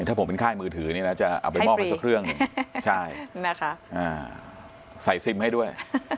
ถ้าผมเป็นค่ายมือถือนี่นะจะเอาไปมอบไปสักเครื่องใช่นะคะใส่ซิมให้ด้วย